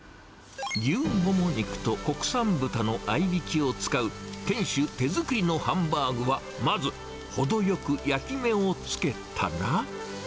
牛モモ肉と国産豚の合いびきを使う、店主手作りのハンバーグはまず、程よく焼き目をつけたら。